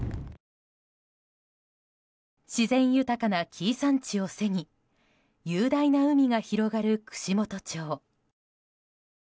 自然豊かな紀伊山地を背に雄大な海が広がる串本町。